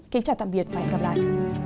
kính chào tạm biệt và hẹn gặp lại